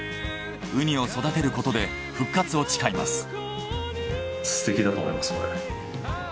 ウニを育てることで復活を誓います。